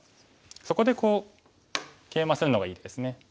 そこでケイマするのがいいですね。